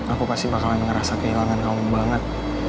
aku pasti bakalan ngerasa kehilangan kamu banget